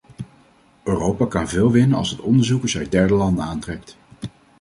Europa kan veel winnen als het onderzoekers uit derde landen aantrekt.